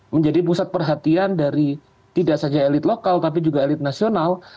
menjadi pusat perhatian dari tidak saja elit lokal tapi juga elit nasional